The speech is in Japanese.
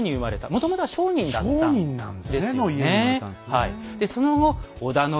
もともとは商人だったんですよね。